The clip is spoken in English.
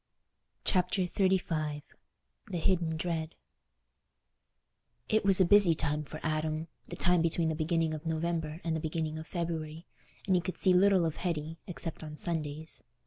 Chapter XXXV The Hidden Dread It was a busy time for Adam—the time between the beginning of November and the beginning of February, and he could see little of Hetty, except on Sundays.